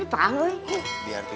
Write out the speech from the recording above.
emangnya perang lu